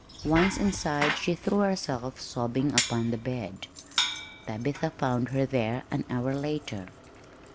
Once inside, she threw herself, sobbing, upon the bed. Tabitha found her there an hour later.